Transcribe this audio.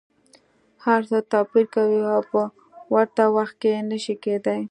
هر څه توپیر کوي او په ورته وخت کي نه شي کیدای.